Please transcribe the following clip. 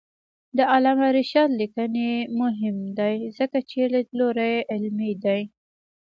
د علامه رشاد لیکنی هنر مهم دی ځکه چې لیدلوری علمي دی.